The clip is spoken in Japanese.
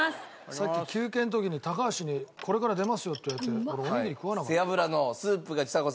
さっき休憩の時に高橋に「これから出ますよ」って言われて俺おにぎり食わなかった。